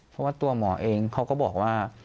เพราะว่าตัวหมอเองเขาก็บอกว่า